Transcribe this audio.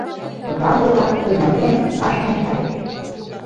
Пычалзе-влак, ӧрмалген, ваш ончальыч.